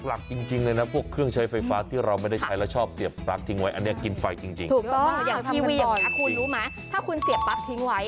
หลักจริงเลยนะพวกเครื่องใช้ไฟฟ้าที่เราไม่ได้ใช้และชอบเสียปั๊กดูไว้